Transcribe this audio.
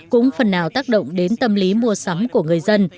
cũng phần nặng